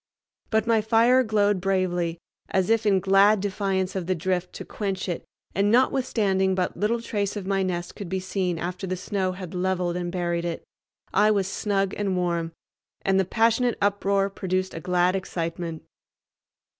But my fire glowed bravely as if in glad defiance of the drift to quench it, and, notwithstanding but little trace of my nest could be seen after the snow had leveled and buried it, I was snug and warm, and the passionate uproar produced a glad excitement.